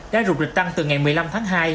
đã rụt lịch tăng từ ngày một mươi năm tháng hai